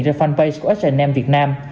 trên fanpage của h m việt nam